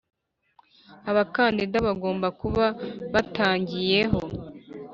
abakandida bagomba kuba batangiyeho